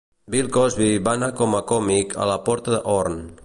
Bill Cosby va anar com a còmic a la "Porta de Horn".